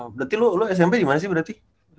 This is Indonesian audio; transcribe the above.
berarti lu smp dimana sih berarti